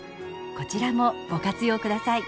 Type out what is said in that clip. こちらもご活用ください。